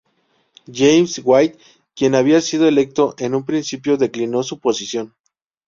James White quien había sido electo en un principio declinó su posición.